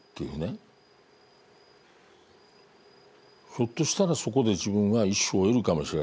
ひょっとしたらそこで自分は一生を終えるかもしれない。